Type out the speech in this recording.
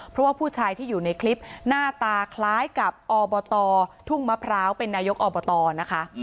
เพราะว่าผู้ชายที่อยู่ในคลิปหน้าตาคล้ายกับอบตทุ่งมะพร้าวเป็นนายกอบตนะคะ